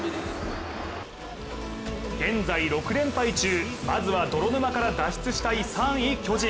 現在６連敗中まずは泥沼から脱出したい３位・巨人。